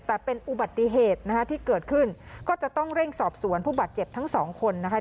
แต่เป็นอุบัติเหตุนะคะที่เกิดขึ้นก็จะต้องเร่งสอบสวนผู้บาดเจ็บทั้งสองคนนะคะ